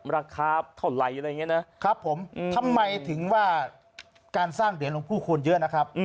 ราคาเท่าไหร่อะไรอย่างนี้นะครับผมทำไมถึงว่าการสร้างเหรียญหลวงผู้ควรเยอะนะครับ